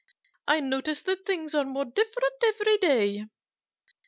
I notice that things are more different every day."